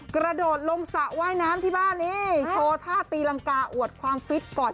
กระโดดลงสระว่ายน้ำที่บ้านนี่โชว์ท่าตีรังกาอวดความฟิตก่อน